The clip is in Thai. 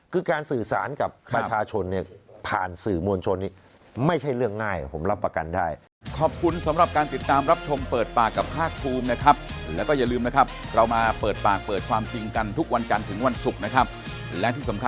คือการสื่อสารกับประชาชนเนี่ยผ่านสื่อมวลชนนี้ไม่ใช่เรื่องง่ายผมรับประกันได้